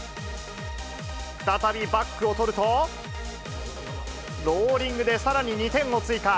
再びバックを取ると、ローリングでさらに２点を追加。